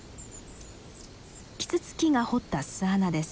キツツキが掘った巣穴です。